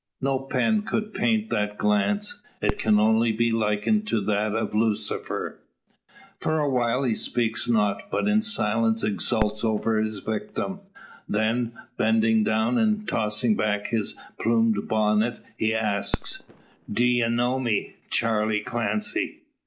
No pen could paint that glance. It can only be likened to that of Lucifer. For a while he speaks not, but in silence exults over his victim. Then, bending down and tossing back his plumed bonnet, he asks, "D'ye know me, Charley Clancy?"